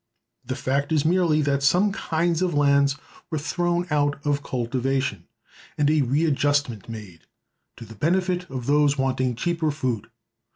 The fact is, merely, that some kinds of lands were thrown out of cultivation, and a readjustment made, to the benefit of those wanting cheaper food.